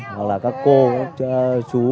hoặc là các cô các chú